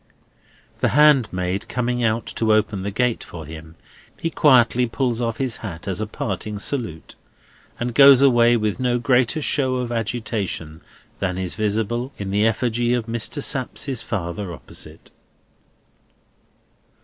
The handmaid coming out to open the gate for him, he quietly pulls off his hat as a parting salute, and goes away with no greater show of agitation than is visible in the effigy of Mr. Sapsea's father opposite.